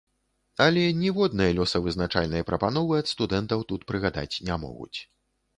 Але ніводнай лёсавызначальнай прапановы ад студэнтаў тут прыгадаць не могуць.